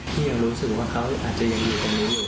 ยังรู้สึกว่าเขาอาจจะยังอยู่ตรงนี้อยู่